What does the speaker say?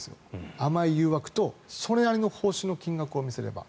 甘い誘惑とそれなりの報酬の金額を見せれば。